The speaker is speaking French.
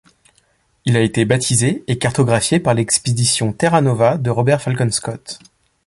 Il a été baptisé et cartographié par l'expédition Terra Nova de Robert Falcon Scott.